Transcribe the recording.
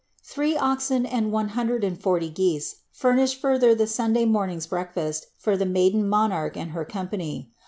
Three oxen and one hundred and forty geese furnished forth the Sun day morning's breakfast for the maiden monarch and her company.'